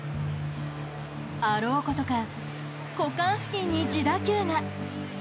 あろうことか股間付近に自打球が。